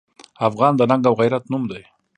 افغان د ننګ او غیرت نوم دی.